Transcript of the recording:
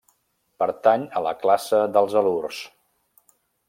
Pertany a la classe dels halurs.